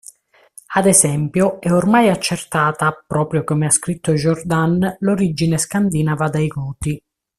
Ad esempio, è ormai accertata, proprio come ha scritto Giordane, l'origine scandinava dei Goti.